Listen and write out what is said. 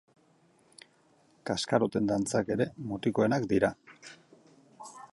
Kaskaroten dantzak ere mutikoenak dira.